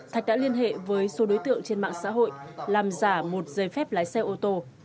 thạch đã liên hệ với số đối tượng trên mạng xã hội làm giả một giấy phép lái xe ô tô